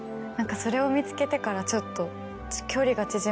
何かそれを見つけてからちょっと。